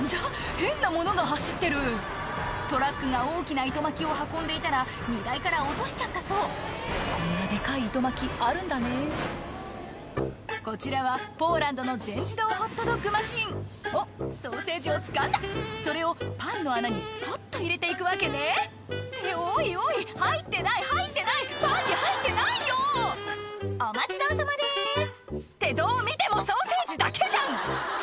変なものが走ってるトラックが大きな糸巻きを運んでいたら荷台から落としちゃったそうこんなデカい糸巻きあるんだねこちらはポーランドの全自動ホットドッグマシンおっソーセージをつかんだそれをパンの穴にスポっと入れていくわけねおいおい入ってない入ってないパンに入ってないよ「お待ちどおさまです」ってどう見てもソーセージだけじゃん！